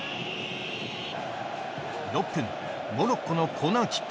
６分モロッコのコーナーキック。